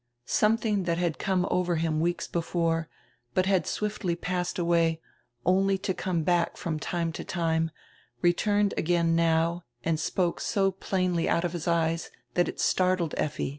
Something that had come over him weeks before, but had swiftly passed away, only to come back from time to time, re turned again now and spoke so plainly out of his eyes that it startled Effi.